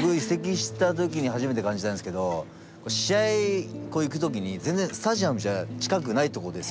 僕移籍した時に初めて感じたんですけど試合行く時に全然スタジアムじゃ近くないとこですよ。